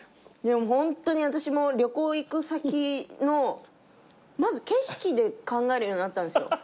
ホントに私も旅行行く先のまず景色で考えるようになったんですよ。